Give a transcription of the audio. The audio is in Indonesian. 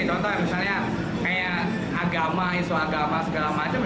contoh misalnya kayak agama isu agama segala macam